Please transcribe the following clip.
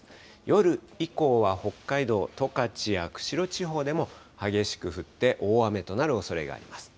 夜以降は北海道、十勝や釧路地方でも激しく降って大雨となるおそれがあります。